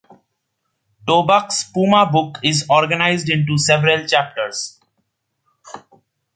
Tobak's Puma book is organized into several chapters.